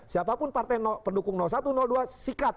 siapapun partai pendukung satu dua sikap